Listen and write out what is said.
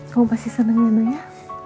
kamu pasti seneng ya noh ya